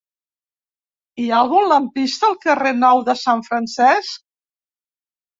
Hi ha algun lampista al carrer Nou de Sant Francesc?